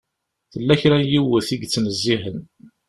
Tella kra n yiwet i yettnezzihen.